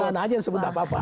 tidak ada yang disebut apa apa